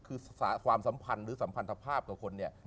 คือความสัมพันธ์หรือสัมพันธภาพกับคนเนี่ย